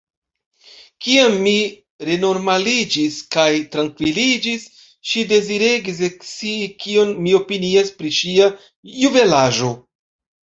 Kiam mi renormaliĝis kaj trankviliĝis, ŝi deziregis ekscii kion mi opinias pri ŝia juvelaĵo.